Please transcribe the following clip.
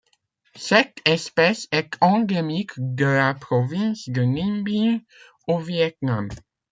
Cette espèce est endémique de la province de Ninh Bình au Viêt Nam.